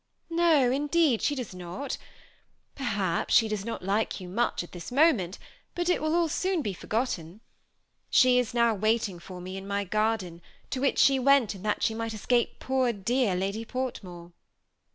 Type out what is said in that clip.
No, indeed, she does not ! perhaps she does not like yoa moeh at this mom^it, bat it will all soon be forgot ten. She is now waiting for me in my garden, to which she went that she might escape poor dear Lady Port more."